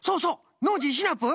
ノージーシナプー。